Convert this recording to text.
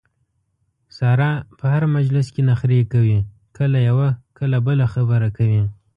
ساره په هر مجلس کې نخرې کوي کله یوه کله بله خبره کوي.